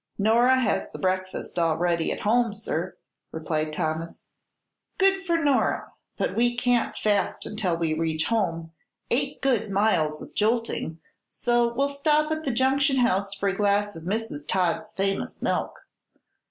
"Nora has the breakfast all ready at home, sir," replied Thomas. "Good for Nora! But we can't fast until we reach home eight good miles of jolting so we'll stop at the Junction House for a glass of Mrs. Todd's famous milk."